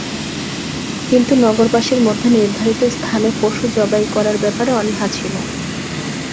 কিন্তু নগরবাসীর মধ্যে নির্ধারিত স্থানে পশু জবাই করার ব্যাপারে অনীহা ছিল।